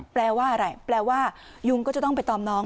แปลว่าอะไรแปลว่ายุงก็จะต้องไปตอมน้อง